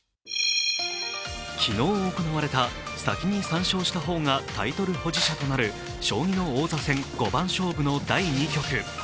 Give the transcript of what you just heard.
昨日行われた、先に３勝した方がタイトル保持者となる将棋の王座戦五番勝負の第２局。